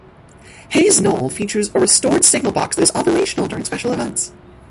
Hayes Knoll features a restored signalbox that is operational during special events.